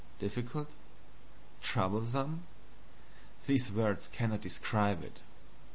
Difficult? troublesome? these words cannot describe it.